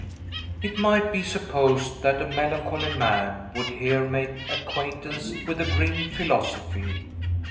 It might be supposed that a melancholy man would here make acquaintance with a grim philosophy.